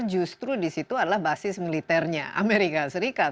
justru di situ adalah basis militernya amerika serikat